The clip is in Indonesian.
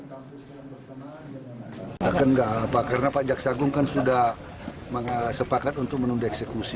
takkan enggak pak karena pak jaksagung kan sudah sepakat untuk menunda eksekusi